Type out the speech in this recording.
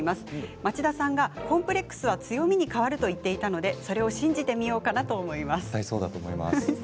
町田さんがコンプレックスは強みに変わると言っていたのでそれを信じてみようかなと思います。